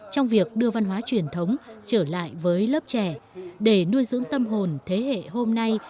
trong việc đưa văn hóa truyền thống trở lại với lớp trẻ để nuôi dưỡng tâm hồn thế hệ hôm nay